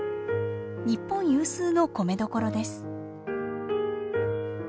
日本有数の米どころです。